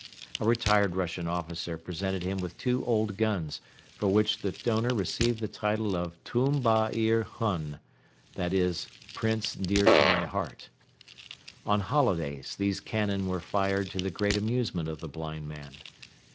A retired Russian officer presented him with two old guns, for which the donor received the title of Tumbaiir Hun, that is, "Prince Dear to my Heart." On holidays these cannon were fired to the great amusement of the blind man.